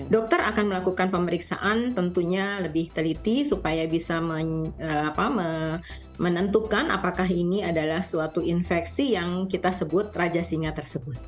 dokter akan melakukan pemeriksaan tentunya lebih teliti supaya bisa menentukan apakah ini adalah suatu infeksi yang kita sebut raja singa tersebut